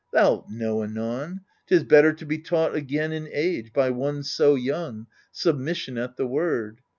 Thou'lt know anon, 'Tis bitter to be taught again in age. By one so young, submission at the word.